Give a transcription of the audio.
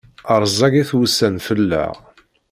Rẓagit wussan fell-aɣ.